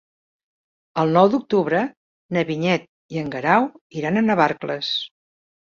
El nou d'octubre na Vinyet i en Guerau iran a Navarcles.